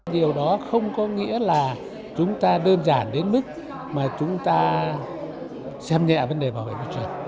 điều đó không có nghĩa là chúng ta đơn giản đến mức mà chúng ta xem nhẹ vấn đề bảo vệ môi trường